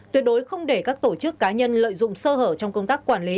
tuyệt đối không để các tổ chức cá nhân lợi dụng sơ hở trong công tác quản lý